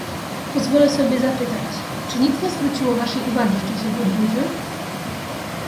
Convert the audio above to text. "Pozwolę sobie zapytać, czy nic nie zwróciło waszej uwagi w czasie podróży?"